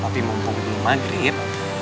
tapi mumpung belum maghrib